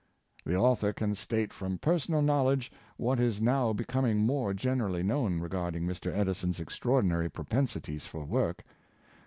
The author can state from personal knowledge what is now becoming more gen erally known regarding Mr. Edison's extraordinary propensities for work.